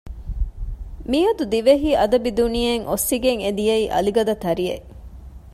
މިއަދު ދިވެހި އަދަބީ ދުނިޔެއިން އޮއްސިގެން އެ ދިޔައީ އަލިގަދަ ތަރިއެއް